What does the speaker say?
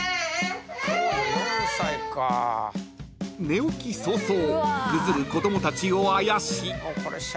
［寝起き早々ぐずる子供たちをあやし］